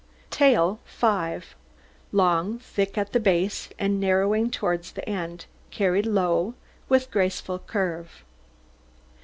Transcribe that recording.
TAIL 5 Long, thick at the base, and narrowing towards the end, carried low, with graceful curve.